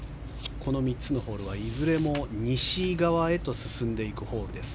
この３つのホールは、いずれも西側へと進んでいくホールです。